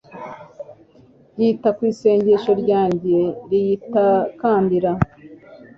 yita ku isengesho ryanjye riyitakambira